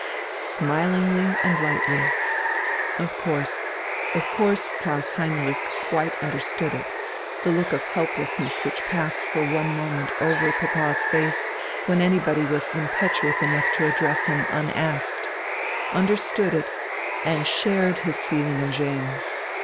Smilingly and lightly.... Of course, of course, Klaus Heinrich quite understood it, the look of helplessness which passed for one moment over papa's face when anybody was impetuous enough to address him unasked understood it, and shared his feeling of gêne!